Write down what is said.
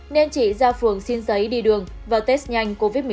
nên chị ra phường xin giấy đi đường và test nhanh covid một mươi chín